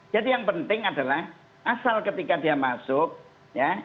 jadi yang penting adalah asal ketika dia masuk ya